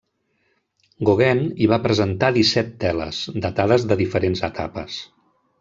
Gauguin hi va presentar disset teles, datades de diferents etapes.